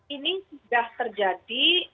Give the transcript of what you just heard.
ini sudah terjadi